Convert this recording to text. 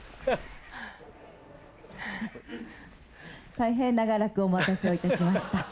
大変長らくお待たせをいたしました。